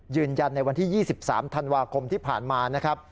ยืนยันในวันที่๒๓ธันวาคมที่ผ่านมานะครับ